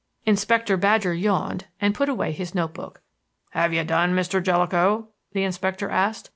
Inspector Badger yawned and put away his notebook. "Have you done, Mr. Jellicoe?" the inspector asked.